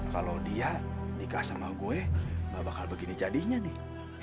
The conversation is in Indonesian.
kalau dia nikah sama gue gak bakal begini jadinya nih